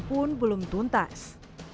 pun belum tuntas